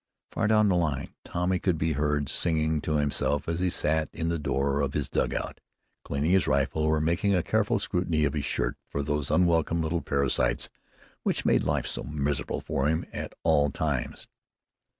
Far down the line Tommy could be heard, singing to himself as he sat in the door of his dugout, cleaning his rifle, or making a careful scrutiny of his shirt for those unwelcome little parasites which made life so miserable for him at all times.